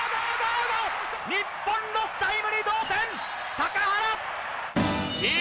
日本ロスタイムに同点！